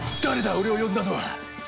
俺を呼んだのは。